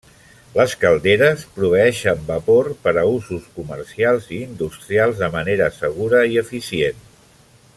Les calderes proveeixen vapor per a usos comercials i industrials de manera segura i eficient.